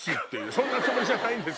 そんなつもりじゃないんです！